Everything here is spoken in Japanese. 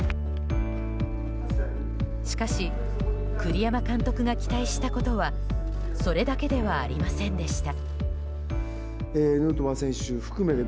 しかし栗山監督が期待したことはそれだけではありませんでした。